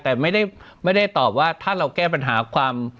แต่ไม่ได้ตอบว่าถ้าเราแก้ปัญหาความ